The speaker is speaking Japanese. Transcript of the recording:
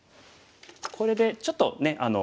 これでちょっとね